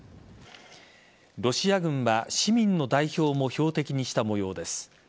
ロシア軍は市民の代表も標的にしたもようです。